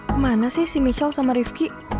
kemana sih si michel sama rifki